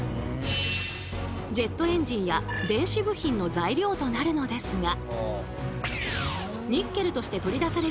ジェットエンジンや電子部品の材料となるのですが。